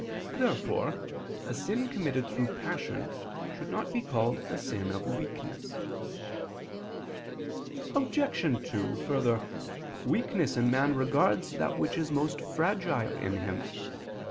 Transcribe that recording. Therefore a sin committed through passion, should not be called a sin of weakness. Obj. 2: Further, weakness in man regards that which is most fragile in him.